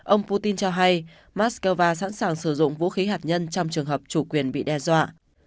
ông putin cho hay moscow sẵn sàng sử dụng vũ khí hạt nhân trong trường hợp chủ quyền bị đe dọa